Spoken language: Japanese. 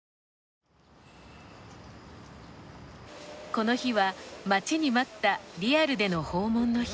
この日は待ちに待ったリアルでの訪問の日。